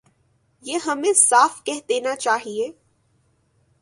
یہ ہمیں صاف کہہ دینا چاہیے۔